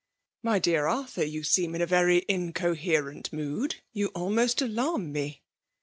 '"" My dear Arthur, you seem in a Tery incoherent mood ; you almost alarm me.